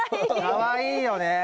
かわいいよねえ。